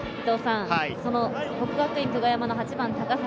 その國學院久我山の８番・高橋。